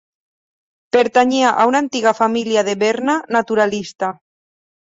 Pertanyia a una antiga família de Berna naturalista.